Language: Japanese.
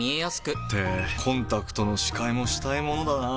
ってコンタクトの視界もしたいものだなぁ。